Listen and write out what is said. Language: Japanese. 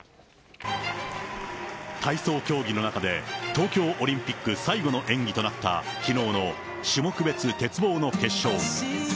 体操競技の中で東京オリンピック最後の演技となった、きのうの種目別鉄棒の決勝。